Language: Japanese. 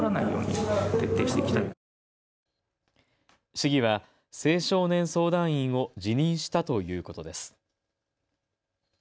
市議は青少年相談員を辞任したということです。